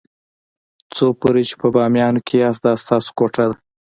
څو پورې چې په بامیانو کې یاست دا ستاسو کوټه ده.